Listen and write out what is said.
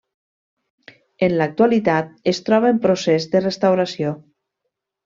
En l'actualitat es troba en procés de restauració.